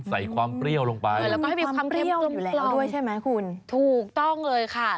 ใส่ความเปรี้ยวลงไปถูกต้องเลยค่ะ